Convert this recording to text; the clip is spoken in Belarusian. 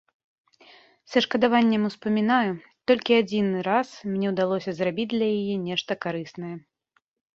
Са шкадаваннем успамінаю, толькі адзіны раз мне ўдалося зрабіць для яе нешта карыснае.